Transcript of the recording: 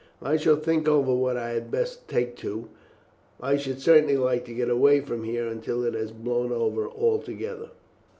I shall think over what I had best take to. I should certainly like to get away from here until it has blown over altogether."